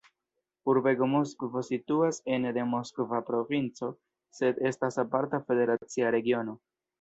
Urbego Moskvo situas ene de Moskva provinco, sed estas aparta federacia regiono.